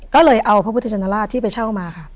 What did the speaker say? ก็เลยเอาพระพุทธชนราชที่ไปเช่ามาค่ะ